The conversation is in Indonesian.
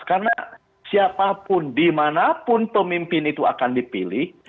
karena siapapun dimanapun pemimpin itu akan dipilih